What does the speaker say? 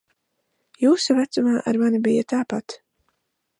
Jūsu vecumā ar mani bija tāpat.